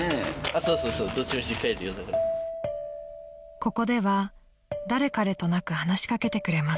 ［ここでは誰彼となく話し掛けてくれます］